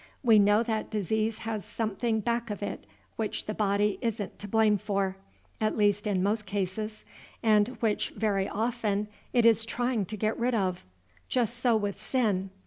We know that disease has something back of it which the body isn't to blame for, at least in most cases, and which very often it is trying to get rid of. Just so with sin.